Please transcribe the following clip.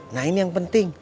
nah ini yang penting